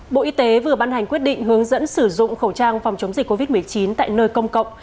bộ y tế vừa ban hành quyết định hướng dẫn sử dụng khẩu trang phòng chống dịch covid một mươi chín tại nơi công cộng